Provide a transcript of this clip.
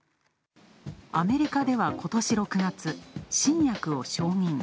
アメリカでは今年６月、新薬を承認。